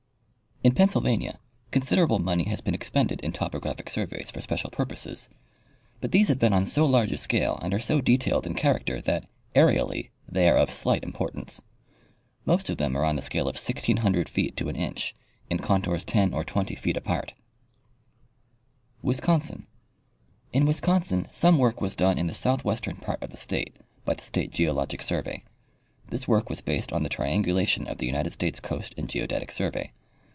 — In Pennsylvania considerable money has been expended in topographic surveys for special purposes, but these have been on so large a scale and are so detailed in character that, areally, they are of slight importance. Most of them are on the scale of 1,600 feet to an inch, in contours 10 gr 20 feet apart. Wisconsin. — In Wisconsin some work was done in the south western part of the state by the state geologic survey. This work was based on the triangulation of the United States Coast and Geodetic survey.